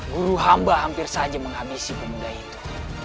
guru hamba hampir saja menghabisi pemuda itu